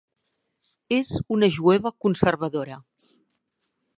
És una jueva conservadora.